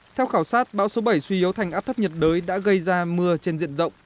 theo khảo sát bão số bảy suy yếu thành áp thấp nhiệt đới đã gây ra mưa trên diện rộng